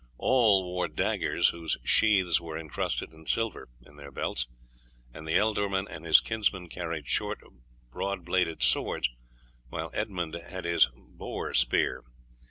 All wore daggers, whose sheaths were incrusted in silver, in their belts, and the ealdorman and his kinsman carried short broad bladed swords, while Edmund had his boar spear.